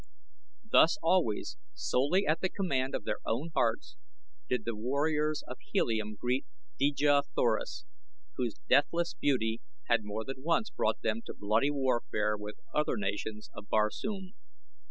Thus always, solely at the command of their own hearts, did the warriors of Helium greet Dejah Thoris, whose deathless beauty had more than once brought them to bloody warfare with other nations of Barsoom.